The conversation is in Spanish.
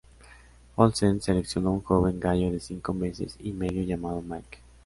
Olsen seleccionó un joven gallo de cinco meses y medio llamado Mike.